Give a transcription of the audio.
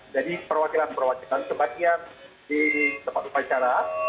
jadi perwakilan perwakilan kebahagiaan di tempat upacara